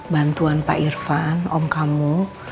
bantuan pak irfan om kamu